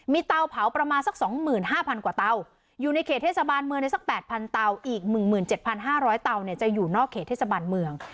มีเตาเผาประมาณสัก๒๕๐๐กว่าเตาอยู่ในเขตเทศบาลเมืองในสัก๘๐๐เตาอีก๑๗๕๐๐เตาเนี่ยจะอยู่นอกเขตเทศบาลเมือง